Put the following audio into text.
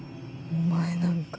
お前なんか。